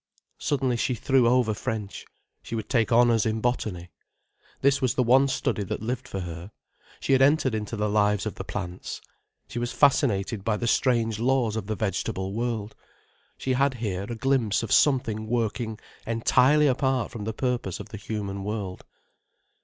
Suddenly she threw over French. She would take honours in botany. This was the one study that lived for her. She had entered into the lives of the plants. She was fascinated by the strange laws of the vegetable world. She had here a glimpse of something working entirely apart from the purpose of the human world.